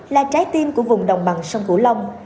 là trái tim của vùng đồng bằng sông cửu long